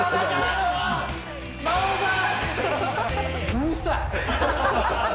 うるさい。